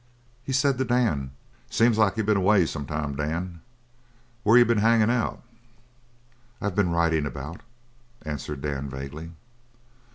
He said to Dan: "Seems like you been away some time, Dan. Where you been hangin' out?" "I been ridin' about," answered Dan vaguely.